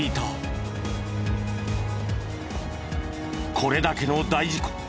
これだけの大事故。